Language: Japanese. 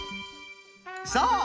そう。